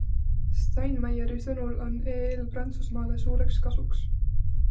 Steinmeieri sõnul on EL Prantsusmaale suureks kasuks.